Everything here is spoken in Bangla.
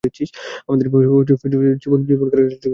আমাদের জীবন কেন শেষ করে দিচ্ছিস, ভাই?